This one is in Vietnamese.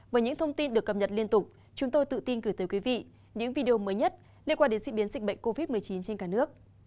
với những thông tin được cập nhật liên tục chúng tôi tự tin gửi tới quý vị những video mới nhất liên quan đến diễn biến dịch bệnh covid một mươi chín trên cả nước